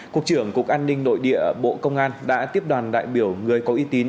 cục trưởng cục an ninh nội địa bộ công an đã tiếp đoàn đại biểu người có uy tín